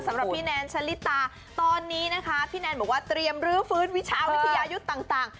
สำหรับพี่แนนชะลิตาตอนนี้นะคะพี่แนนบอกว่าเตรียมรื้อฟื้นวิชาวิทยายุทธ์ต่าง